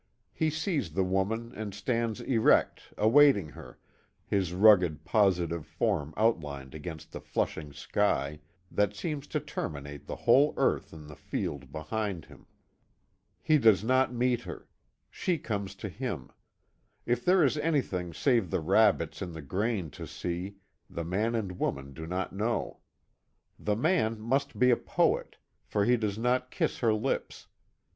He sees the woman and stands erect, awaiting her, his rugged, positive form outlined against the flushing sky, that seems to terminate the whole earth in the field behind him. He does not meet her. She comes to him. If there is anything save the rabbits in the grain to see, the man and woman do not know. The man must be a poet for he does not kiss her lips.